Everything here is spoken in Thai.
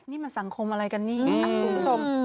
นี่มันสังคมอะไรกันนี่คุณผู้ชม